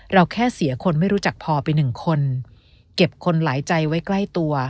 แค่เสียคนไม่รู้จักพอไปหนึ่งคนเก็บคนหลายใจไว้ใกล้ตัว